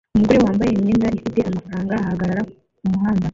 Umugore wambaye imyenda ifite amafaranga ahagarara kumuhanda